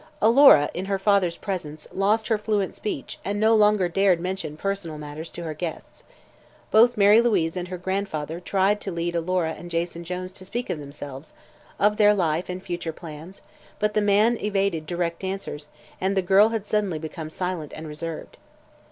Alora, in her father's presence, lost her fluent speech and no longer dared mention personal matters to her guests. Both Mary Louise and her grandfather tried to lead Alora and Jason Jones to speak of themselves of their life and future plans but the man evaded direct answers and the girl had suddenly become silent and reserved.